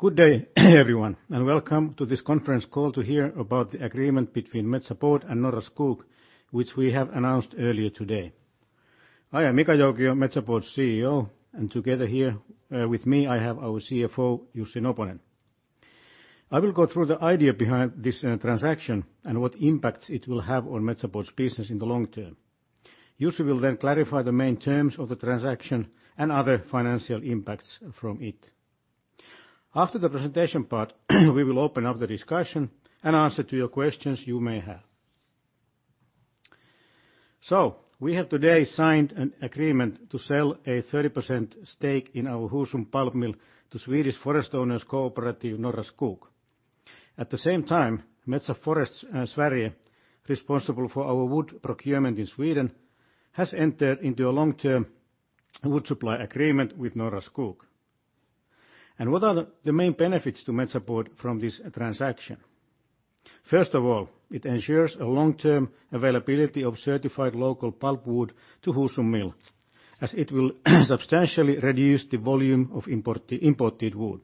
Good day, everyone, and welcome to this conference call to hear about the agreement between Metsä Board and Norra Skog, which we have announced earlier today. I am Mika Joukio, Metsä Board's CEO, and together here with me I have our CFO, Jussi Noponen. I will go through the idea behind this transaction and what impact it will have on Metsä Board's business in the long term. Jussi will then clarify the main terms of the transaction and other financial impacts from it. After the presentation part, we will open up the discussion and answer to your questions you may have. So, we have today signed an agreement to sell a 30% stake in our Husum pulp mill to Swedish forest owners cooperative Norra Skog. At the same time, Metsä Forest Sverige, responsible for our wood procurement in Sweden, has entered into a long-term wood supply agreement with Norra Skog. What are the main benefits to Metsä Board from this transaction? First of all, it ensures a long-term availability of certified local pulpwood to Husum mill, as it will substantially reduce the volume of imported wood.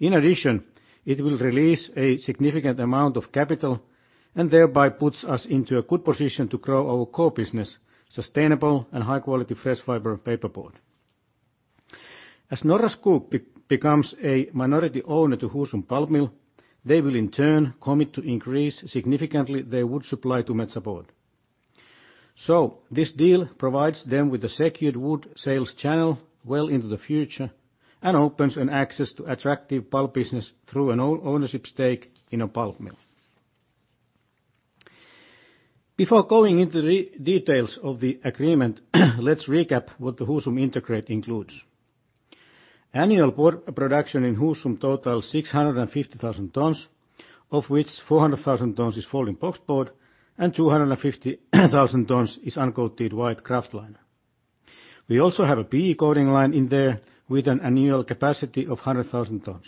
In addition, it will release a significant amount of capital and thereby puts us into a good position to grow our core business, sustainable and high-quality fresh fiber paperboard. As Norra Skog becomes a minority owner to Husum pulp mill, they will in turn commit to increase significantly their wood supply to Metsä Board. So, this deal provides them with a secured wood sales channel well into the future and opens access to attractive pulp business through an ownership stake in a pulp mill. Before going into the details of the agreement, let's recap what the Husum integrated includes. Annual production in Husum totals 650,000 tons, of which 400,000 tons is folding boxboard and 250,000 tons is uncoated kraftliner. We also have a PE coating line in there with an annual capacity of 100,000 tons.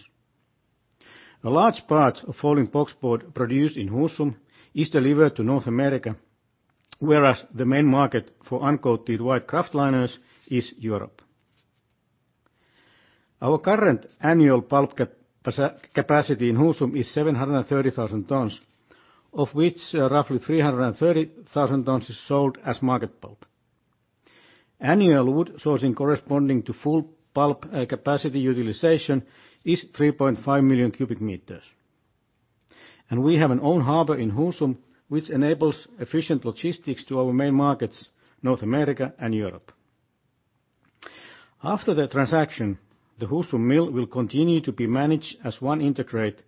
A large part of folding boxboard produced in Husum is delivered to North America, whereas the main market for uncoated white kraftliners is Europe. Our current annual pulp capacity in Husum is 730,000 tons, of which roughly 330,000 tons is sold as market pulp. Annual wood sourcing corresponding to full pulp capacity utilization is 3.5 million cubic meters. We have our own harbor in Husum, which enables efficient logistics to our main markets, North America and Europe. After the transaction, the Husum mill will continue to be managed as one integrated,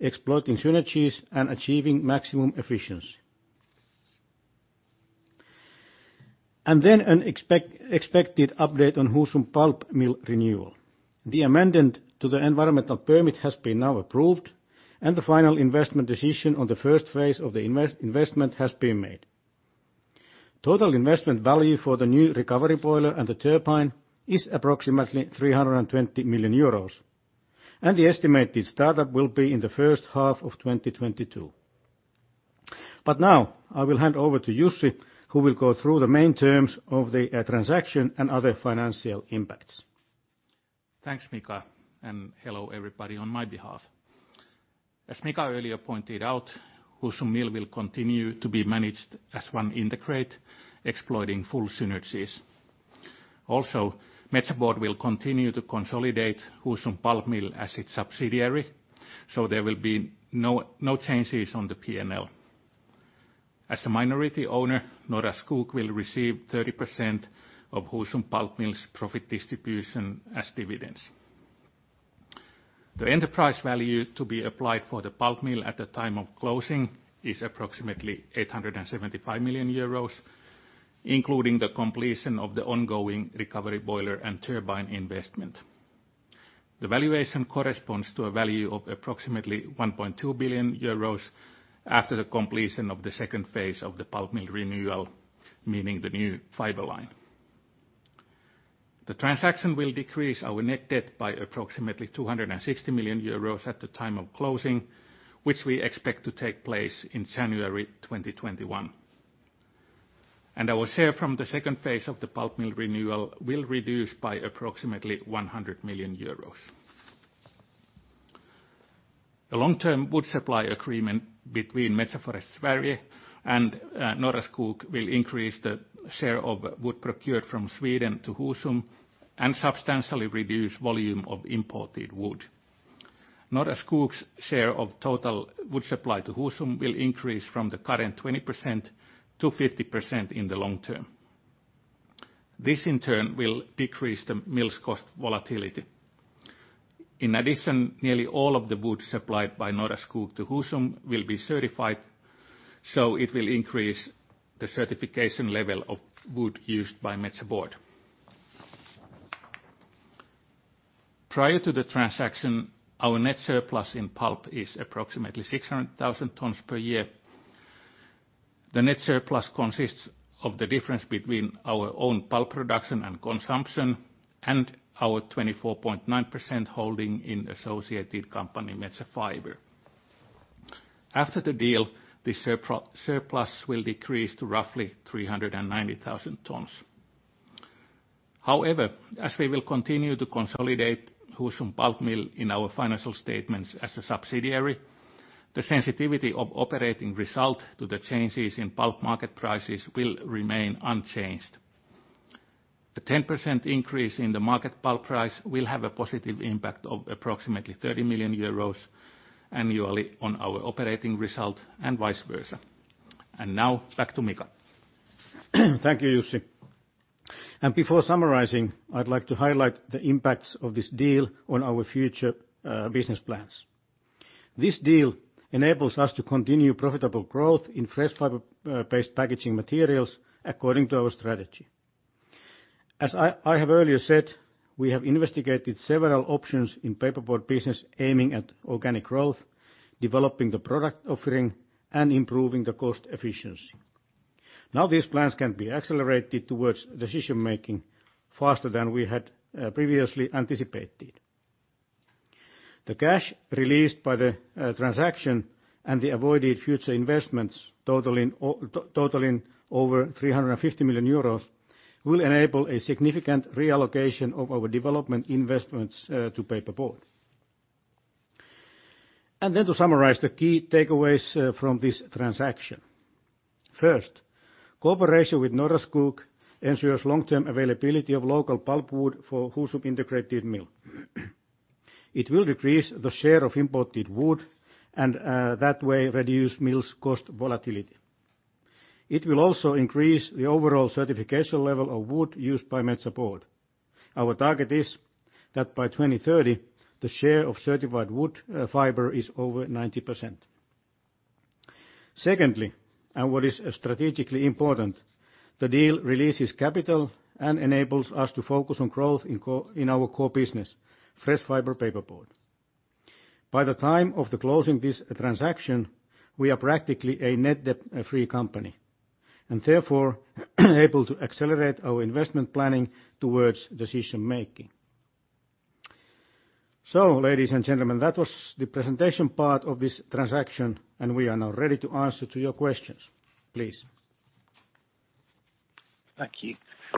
exploiting synergies and achieving maximum efficiency. An expected update on Husum pulp mill renewal. The amendment to the environmental permit has been now approved, and the final investment decision on the first phase of the investment has been made. Total investment value for the new recovery boiler and the turbine is approximately 320 million euros, and the estimated startup will be in the first half of 2022, but now I will hand over to Jussi, who will go through the main terms of the transaction and other financial impacts. Thanks, Mika, and hello everybody on my behalf. As Mika earlier pointed out, Husum mill will continue to be managed as one integrated, exploiting full synergies. Also, Metsä Board will continue to consolidate Husum pulp mill as its subsidiary, so there will be no changes on the P&L. As a minority owner, Norra Skog will receive 30% of Husum pulp mill's profit distribution as dividends. The enterprise value to be applied for the pulp mill at the time of closing is approximately 875 million euros, including the completion of the ongoing recovery boiler and turbine investment. The valuation corresponds to a value of approximately 1.2 billion euros after the completion of the second phase of the pulp mill renewal, meaning the new fiber line. The transaction will decrease our net debt by approximately 260 million euros at the time of closing, which we expect to take place in January 2021. Our share from the second phase of the pulp mill renewal will reduce by approximately 100 million EUR. The long-term wood supply agreement between Metsä Forest Sverige and Norra Skog will increase the share of wood procured from Sweden to Husum and substantially reduce the volume of imported wood. Norra Skog's share of total wood supply to Husum will increase from the current 20% to 50% in the long term. This, in turn, will decrease the mill's cost volatility. In addition, nearly all of the wood supplied by Norra Skog to Husum will be certified, so it will increase the certification level of wood used by Metsä Board. Prior to the transaction, our net surplus in pulp is approximately 600,000 tons per year. The net surplus consists of the difference between our own pulp production and consumption and our 24.9% holding in associated company Metsä Fibre. After the deal, this surplus will decrease to roughly 390,000 tons. However, as we will continue to consolidate Husum pulp mill in our financial statements as a subsidiary, the sensitivity of operating result to the changes in pulp market prices will remain unchanged. A 10% increase in the market pulp price will have a positive impact of approximately 30 million euros annually on our operating result and vice versa. And now back to Mika. Thank you, Jussi, and before summarizing, I'd like to highlight the impacts of this deal on our future business plans. This deal enables us to continue profitable growth in fresh fiber-based packaging materials according to our strategy. As I have earlier said, we have investigated several options in paperboard business aiming at organic growth, developing the product offering, and improving the cost efficiency. Now these plans can be accelerated towards decision-making faster than we had previously anticipated. The cash released by the transaction and the avoided future investments totaling over 350 million euros will enable a significant reallocation of our development investments to paperboard, and then to summarize the key takeaways from this transaction. First, cooperation with Norra Skog ensures long-term availability of local pulpwood for Husum integrated mill. It will decrease the share of imported wood and that way reduce mill's cost volatility. It will also increase the overall certification level of wood used by Metsä Board. Our target is that by 2030, the share of certified wood fiber is over 90%. Secondly, and what is strategically important, the deal releases capital and enables us to focus on growth in our core business, fresh fiber paperboard. By the time of closing this transaction, we are practically a net debt-free company and therefore able to accelerate our investment planning towards decision-making. So, ladies and gentlemen, that was the presentation part of this transaction, and we are now ready to answer your questions. Please. Thank you.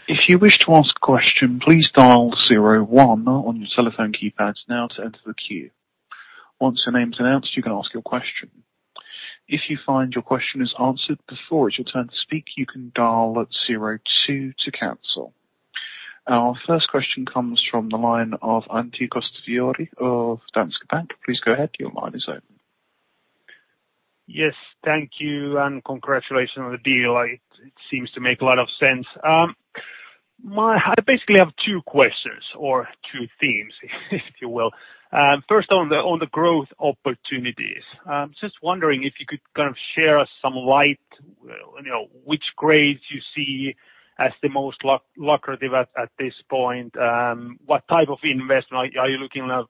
If you wish to ask a question, please dial zero one on your telephone keypad now to enter the queue. Once your name is announced, you can ask your question. If you find your question is answered before it's your turn to speak, you can dial zero two to cancel. Our first question comes from the line of Antti Koskivuori of Danske Bank. Please go ahead, your line is open. Yes, thank you and congratulations on the deal. It seems to make a lot of sense. I basically have two questions or two themes, if you will. First, on the growth opportunities, just wondering if you could kind of shed some light on which grades you see as the most lucrative at this point. What type of investment are you looking at,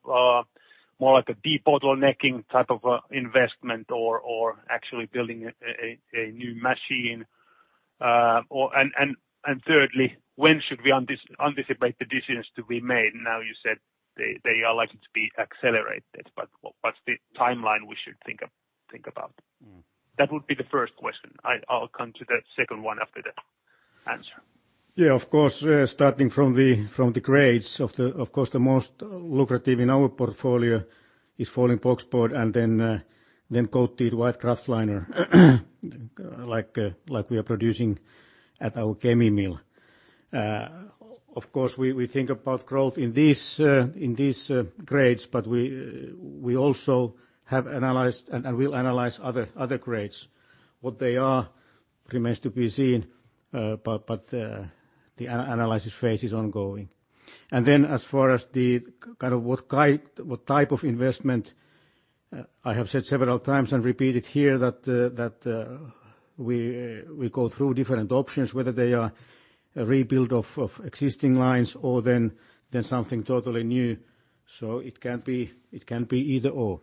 more like a debottlenecking type of investment or actually building a new machine? And thirdly, when should we anticipate the decisions to be made? Now you said they are likely to be accelerated, but what's the timeline we should think about? That would be the first question. I'll come to the second one after the answer. Yeah, of course, starting from the grades, of course, the most lucrative in our portfolio is folding boxboard and then coated White kraftliner, like we are producing at our Kemi mill. Of course, we think about growth in these grades, but we also have analyzed and will analyze other grades. What they are remains to be seen, but the analysis phase is ongoing. And then as far as the kind of what type of investment, I have said several times and repeated here that we go through different options, whether they are a rebuild of existing lines or then something totally new. So it can be either/or.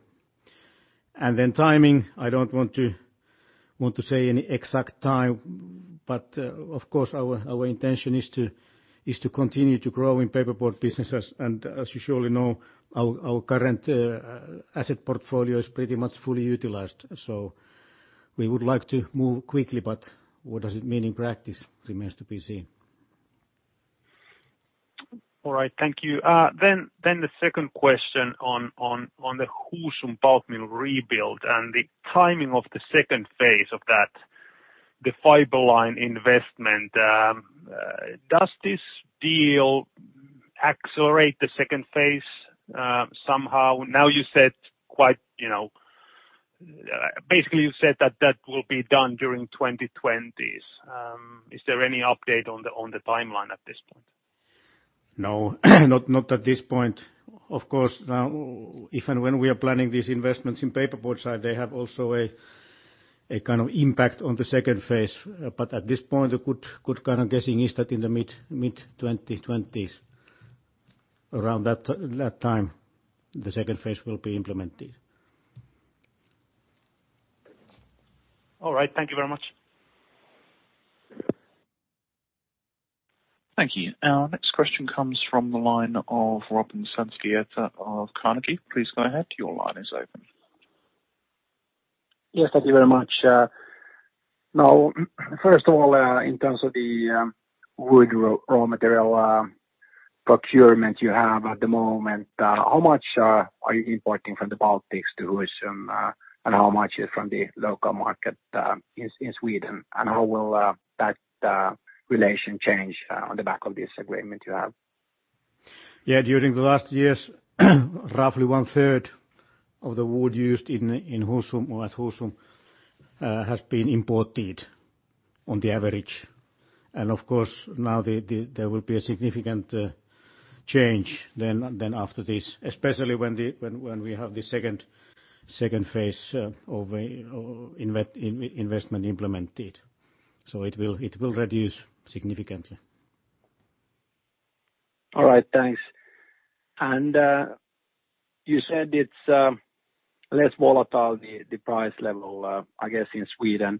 And then timing, I don't want to say any exact time, but of course our intention is to continue to grow in paperboard businesses. And as you surely know, our current asset portfolio is pretty much fully utilized. So we would like to move quickly, but what does it mean in practice remains to be seen. All right, thank you. Then the second question on the Husum pulp mill rebuild and the timing of the second phase of that, the fiber line investment. Does this deal accelerate the second phase somehow? Now you said quite basically you said that that will be done during 2020. Is there any update on the timeline at this point? No, not at this point. Of course, if and when we are planning these investments in paperboard side, they have also a kind of impact on the second phase. But at this point, the good kind of guessing is that in the mid-2020s, around that time, the second phase will be implemented. All right, thank you very much. Thank you. Our next question comes from the line of Robin Santavirta of Carnegie. Please go ahead, your line is open. Yes, thank you very much. Now, first of all, in terms of the wood raw material procurement you have at the moment, how much are you importing from the Baltics to Husum and how much from the local market in Sweden? And how will that relation change on the back of this agreement you have? Yeah, during the last years, roughly one third of the wood used in Husum or at Husum has been imported on the average, and of course, now there will be a significant change then after this, especially when we have the second phase of investment implemented, so it will reduce significantly. All right, thanks, and you said it's less volatile, the price level, I guess, in Sweden,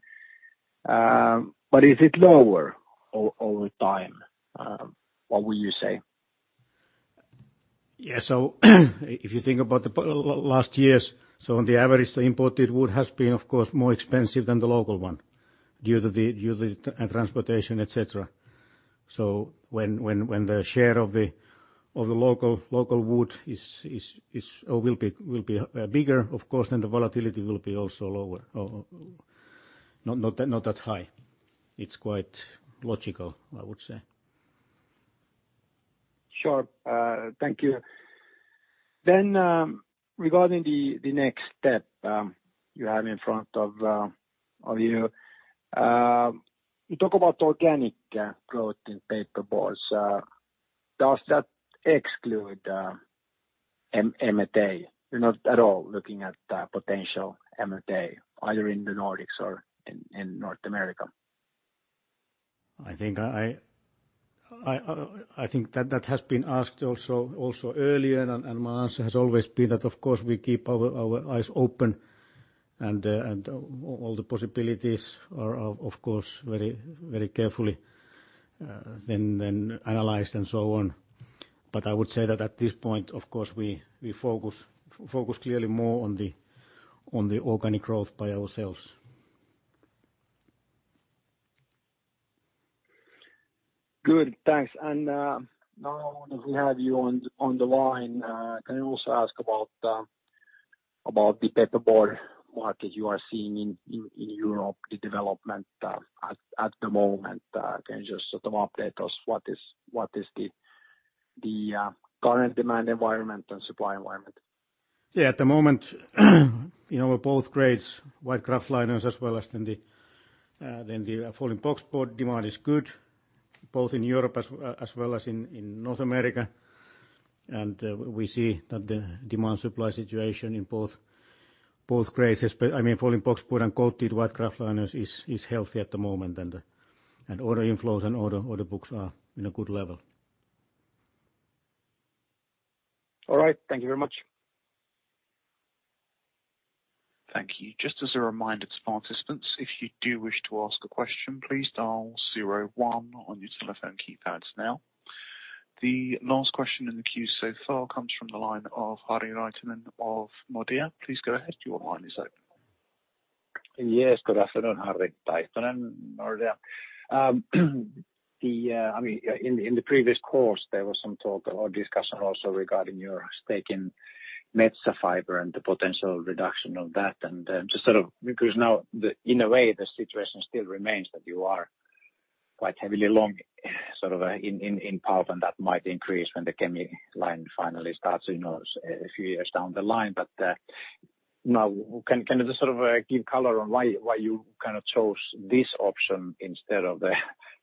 but is it lower over time? What would you say? Yeah, so if you think about the last years, so on the average, the imported wood has been, of course, more expensive than the local one due to the transportation, etc. So when the share of the local wood will be bigger, of course, then the volatility will be also lower, not that high. It's quite logical, I would say. Sure, thank you. Then regarding the next step you have in front of you, you talk about organic growth in paperboards. Does that exclude M&A? You're not at all looking at potential M&A either in the Nordics or in North America? I think that has been asked also earlier, and my answer has always been that, of course, we keep our eyes open and all the possibilities are, of course, very carefully then analyzed and so on. But I would say that at this point, of course, we focus clearly more on the organic growth by ourselves. Good, thanks. And now that we have you on the line, can you also ask about the paperboard market you are seeing in Europe, the development at the moment? Can you just sort of update us what is the current demand environment and supply environment? Yeah, at the moment in our both grades, White kraftliners as well as then the folding boxboard demand is good, both in Europe as well as in North America, and we see that the demand-supply situation in both grades, I mean, folding boxboard and coated White kraftliners is healthy at the moment, and order inflows and order books are in a good level. All right, thank you very much. Thank you. Just as a reminder, participants, if you do wish to ask a question, please dial 01 on your telephone keypads now. The last question in the queue so far comes from the line of Harri Taittonen of Nordea. Please go ahead, your line is open. Yes, good afternoon, Harri Taittonen, Nordea. I mean, in the previous call, there was some talk or discussion also regarding your stake in Metsä Fibre and the potential reduction of that. And just sort of because now, in a way, the situation still remains that you are quite heavily long sort of in pulp, and that might increase when the Kemi line finally starts a few years down the line. But now, can you sort of give color on why you kind of chose this option instead of the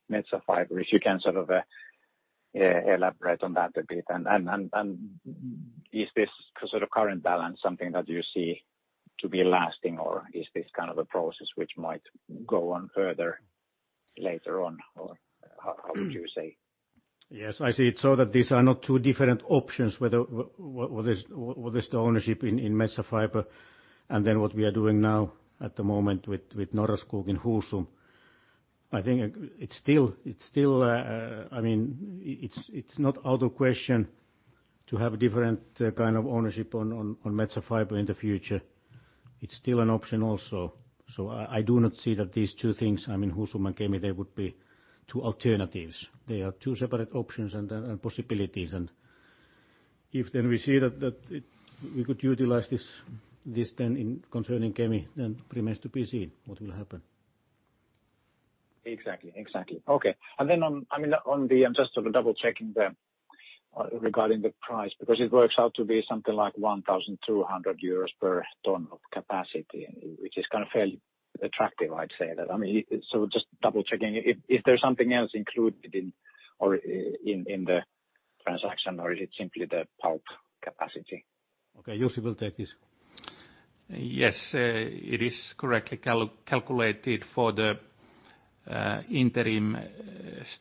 Metsä Fibre? If you can sort of elaborate on that a bit. And is this sort of current balance something that you see to be lasting, or is this kind of a process which might go on further later on, or how would you say? Yes, I see it so that these are not two different options, whether it's the ownership in Metsä Fibre and then what we are doing now at the moment with Norra Skog in Husum. I think it's still, I mean, it's not out of question to have a different kind of ownership on Metsä Fibre in the future. It's still an option also. So I do not see that these two things, I mean, Husum and Kemi, they would be two alternatives. They are two separate options and possibilities. And if then we see that we could utilize this then concerning Kemi, then it remains to be seen what will happen. Exactly, exactly. Okay. And then, I mean, just sort of double-checking regarding the price, because it works out to be something like 1,200 euros per ton of capacity, which is kind of fairly attractive, I'd say. I mean, so just double-checking, is there something else included in the transaction, or is it simply the pulp capacity? Okay, Jussi will take this. Yes, it is correctly calculated for the interim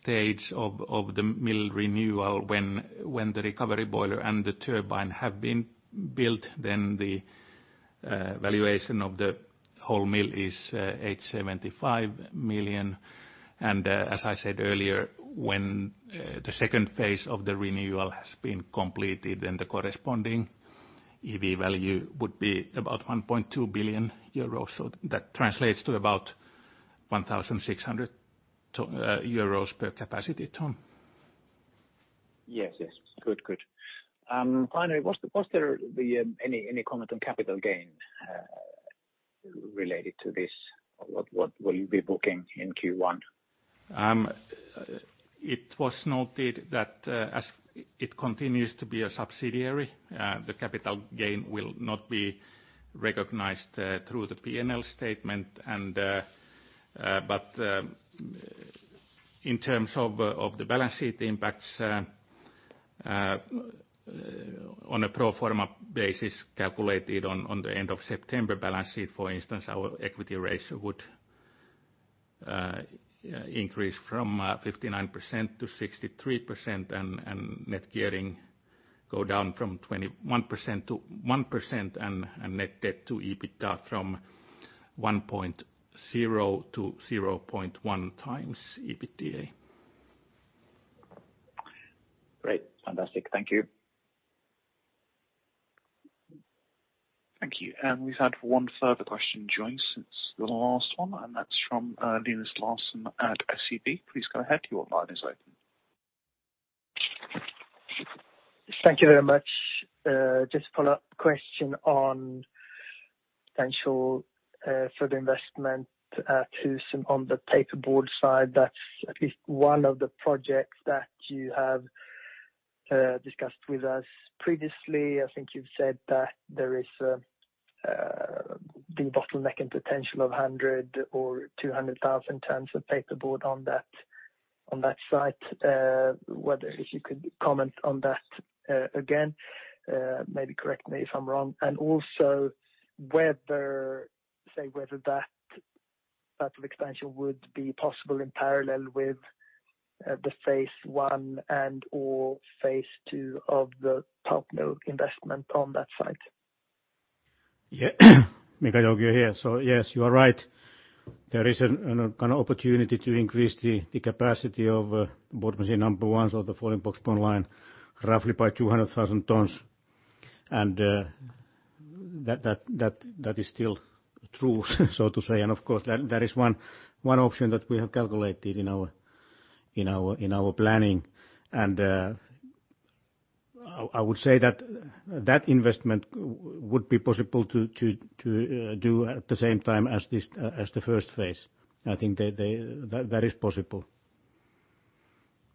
stage of the mill renewal when the recovery boiler and the turbine have been built. Then the valuation of the whole mill is 875 million. And as I said earlier, when the second phase of the renewal has been completed, then the corresponding EV value would be about 1.2 billion euros. So that translates to about 1,600 euros per capacity ton. Yes, yes. Good, good. Finally, was there any comment on capital gain related to this? What will you be booking in Q1? It was noted that as it continues to be a subsidiary, the capital gain will not be recognized through the P&L statement. But in terms of the balance sheet impacts on a pro forma basis calculated on the end of September balance sheet, for instance, our equity ratio would increase from 59% to 63%, and net gearing go down from 21% to 1%, and net debt to EBITDA from 1.0 to 0.1 times EBITDA. Great, fantastic. Thank you. Thank you. And we've had one further question join since the last one, and that's from Linus Larsson at SEB. Please go ahead, your line is open. Thank you very much. Just follow-up question on potential further investment at Husum on the paperboard side. That's at least one of the projects that you have discussed with us previously. I think you've said that there is the bottleneck and potential of 100 or 200,000 tons of paperboard on that site. Whether if you could comment on that again, maybe correct me if I'm wrong. And also say whether that type of expansion would be possible in parallel with the phase one and/or phase two of the pulp mill investment on that site. Yeah, Mika Joukio here. So yes, you are right. There is an opportunity to increase the capacity of board machine number one, so the folding boxboard line, roughly by 200,000 tons. And that is still true, so to say. And of course, that is one option that we have calculated in our planning. And I would say that that investment would be possible to do at the same time as the first phase. I think that is possible.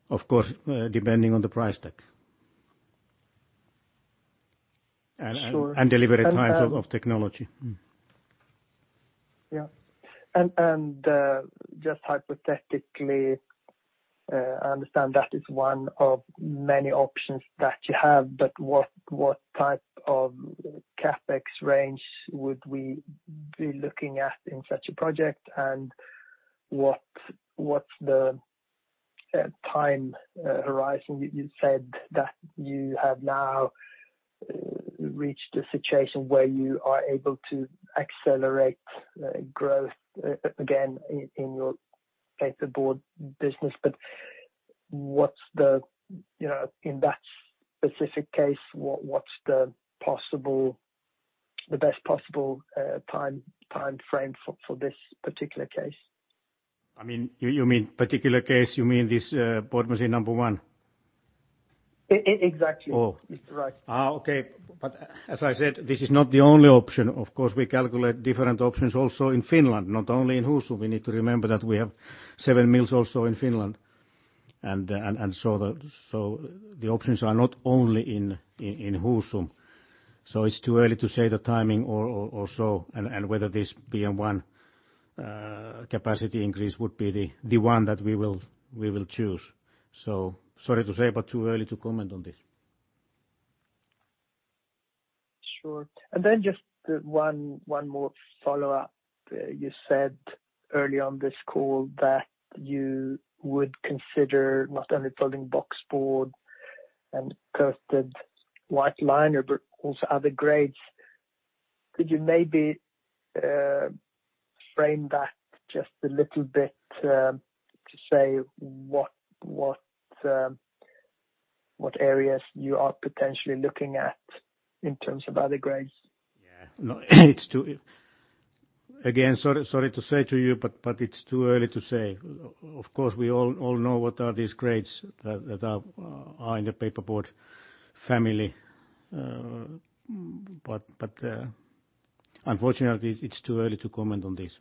Of course, depending on the price tag and delivery times of technology. Yeah. And just hypothetically, I understand that is one of many options that you have, but what type of CapEx range would we be looking at in such a project? And what's the time horizon you said that you have now reached a situation where you are able to accelerate growth again in your paperboard business? But what's the, in that specific case, what's the best possible time frame for this particular case? I mean, you mean particular case? You mean this board machine number one? Exactly. Oh. It's right. Okay. But as I said, this is not the only option. Of course, we calculate different options also in Finland, not only in Husum. We need to remember that we have seven mills also in Finland. And so the options are not only in Husum. So it's too early to say the timing or so, and whether this PM1 capacity increase would be the one that we will choose. So sorry to say, but too early to comment on this. Sure. And then just one more follow-up. You said early on this call that you would consider not only folding boxboard and coated White kraftliner, but also other grades. Could you maybe frame that just a little bit to say what areas you are potentially looking at in terms of other grades? Yeah. Again, sorry to say to you, but it's too early to say. Of course, we all know what are these grades that are in the paperboard family. But unfortunately, it's too early to comment on this.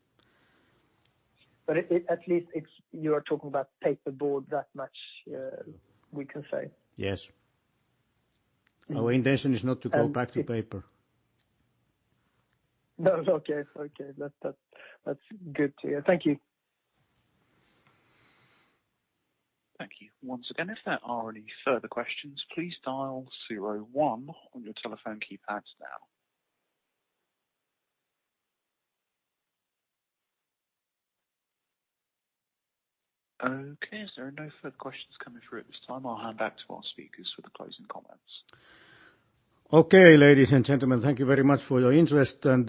But at least you are talking about paperboard that much we can say. Yes. Our intention is not to go back to paper. No, okay. Okay. That's good to hear. Thank you. Thank you once again. If there are any further questions, please dial zero one on your telephone keypads now. Okay. If there are no further questions coming through at this time, I'll hand back to our speakers for the closing comments. Okay, ladies and gentlemen, thank you very much for your interest. And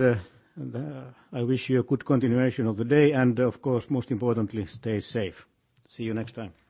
I wish you a good continuation of the day. And of course, most importantly, stay safe. See you next time.